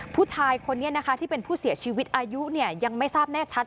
ผู้ชายคนนี้นะคะที่เป็นผู้เสียชีวิตอายุยังไม่ทราบแน่ชัด